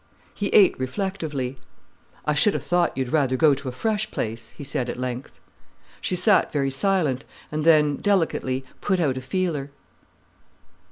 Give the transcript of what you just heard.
He ate reflectively. "I should ha' thought you'd rather go to a fresh place," he said at length. She sat very silent, and then, delicately, put out a feeler.